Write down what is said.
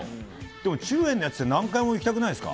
でもちゅうえいのやつって、何回もいきたくないですか。